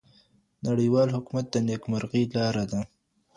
نړيوال حکومت د نېکمرغۍ لاره ده.